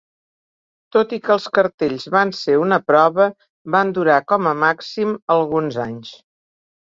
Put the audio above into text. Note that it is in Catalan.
Tot i que els cartells van ser una prova, van durar com a màxim alguns anys.